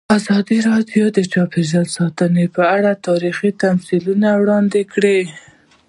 ازادي راډیو د چاپیریال ساتنه په اړه تاریخي تمثیلونه وړاندې کړي.